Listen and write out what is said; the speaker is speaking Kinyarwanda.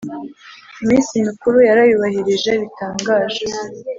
Iminsi mikuru yarayubahirije bitangaje,